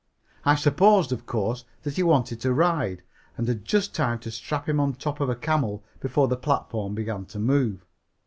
I supposed, of course, that he wanted to ride and had just time to strap him on top of a camel before the platform began to move.